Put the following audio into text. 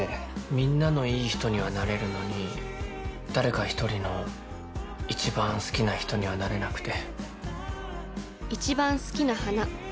みんなのいい人にはなれるのに誰か１人の一番好きな人にはなれなくて。